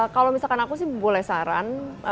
kalau misalkan aku sih boleh saran